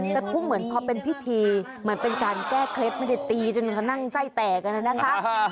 กระทุ่มเหมือนพอเป็นพิธีเหมือนเป็นการแก้เคล็ดไม่ได้ตีจนเขานั่งไส้แตกกันนะครับ